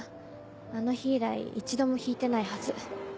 あの日以来一度も弾いてないはず。